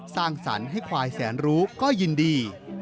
สร้างสรรค์ให้ควายแสนรู้ก็ยินดี